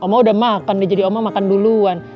oma udah makan jadi oma makan duluan